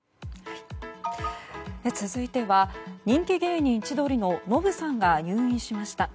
続いては人気芸人、千鳥のノブさんが入院しました。